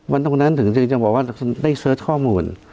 ตรงนั้นถึงจะบอกว่าได้เสิร์ชข้อมูล